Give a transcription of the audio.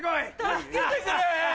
助けてくれ。